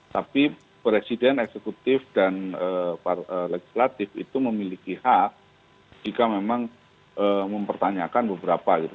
tapi presiden eksekutif dan legislatif itu memiliki hak jika memang mempertanyakan beberapa gitu